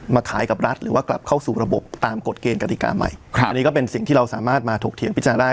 ขายกับรัฐหรือว่ากลับเข้าสู่ระบบตามกฎเกณฑ์กติกาใหม่ครับอันนี้ก็เป็นสิ่งที่เราสามารถมาถกเถียงพิจารณได้